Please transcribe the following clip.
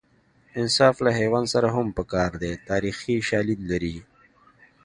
انصاف له حیوان سره هم په کار دی تاریخي شالید لري